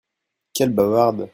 Quelle bavarde !